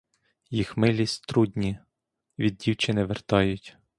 Їх милість трудні — від дівчини вертають.